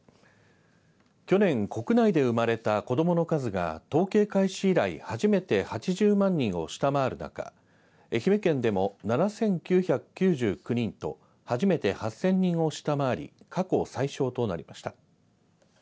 去年国内で生まれた子どもの数が統計開始以来初めて８０万人を下回る中愛媛県でも７９９９人と初めて８０００人を下回り過去最少となりました。